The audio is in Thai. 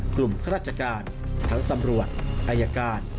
ข้าราชการทั้งตำรวจอายการ